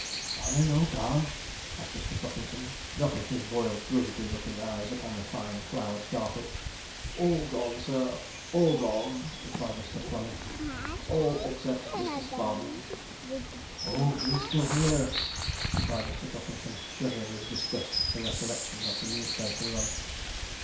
'Are they all gone?' asked Mr. Puffington, dropping his boiled gooseberry looking eyes upon the fine flowered carpet. 'All gone, sir all gone,' replied Mr. Plummey; 'all except Mr. Sponge.' 'Oh, he's still here!' replied Mr. Puffington, shuddering with disgust at the recollection of the newspaper run.